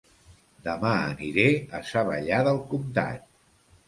Dema aniré a Savallà del Comtat